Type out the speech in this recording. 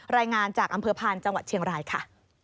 รายงานจากอำเภอพานจังหวัดเชียงรายค่ะ